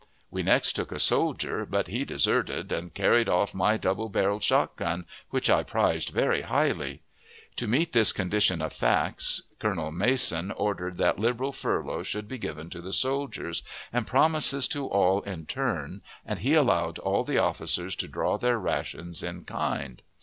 We next took a soldier, but he deserted, and carried off my double barreled shot gun, which I prized very highly. To meet this condition of facts, Colonel Mason ordered that liberal furloughs should be given to the soldiers, and promises to all in turn, and he allowed all the officers to draw their rations in kind.